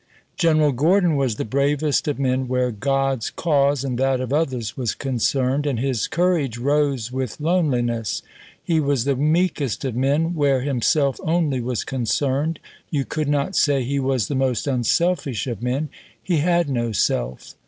General Gordon was the bravest of men where God's cause and that of others was concerned, and his courage rose with loneliness. He was the meekest of men where himself only was concerned. You could not say he was the most unselfish of men: he had no self.